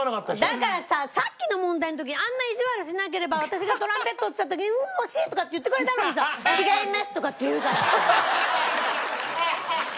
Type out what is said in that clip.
だからささっきの問題の時にあんな意地悪しなければ私がトランペットっつった時に「うーん惜しい！」とかって言ってくれたのにさ「違います！」とかって言うから。